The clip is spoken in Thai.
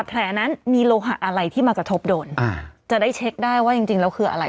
แผลนั้นมีโลหะอะไรที่มากระทบโดนจะได้เช็คได้ว่าจริงแล้วคืออะไร